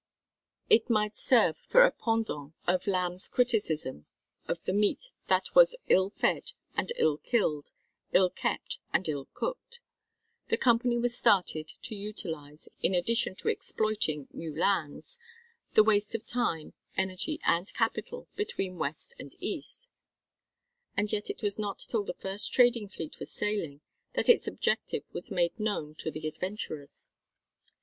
It might serve for a pendant of Lamb's criticism of the meat that was "ill fed and ill killed, ill kept and ill cooked." The Company was started to utilise, in addition to exploiting new lands, the waste of time, energy and capital, between West and East; and yet it was not till the first trading fleet was sailing that its objective was made known to the adventurers.